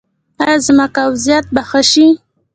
ایا زما قبضیت به ښه شي؟